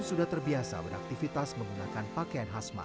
pun sudah terbiasa beraktifitas menggunakan pakaian asmat